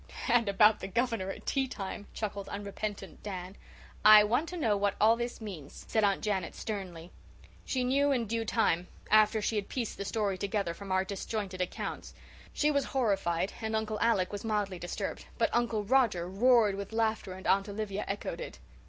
"And about the Governor at tea time," chuckled unrepentant Dan. "I want to know what all this means," said Aunt Janet sternly. She knew in due time, after she had pieced the story together from our disjointed accounts. She was horrified, and Uncle Alec was mildly disturbed, but Uncle Roger roared with laughter and Aunt Olivia echoed it.